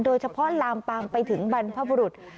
โดยเฉพาะลามปามไปถึงบรรพบุรุษ